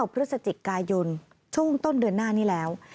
พฤศจิกายนช่วงต้นเดือนหน้านี้แล้ว